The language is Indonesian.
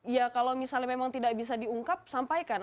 ya kalau misalnya memang tidak bisa diungkap sampaikan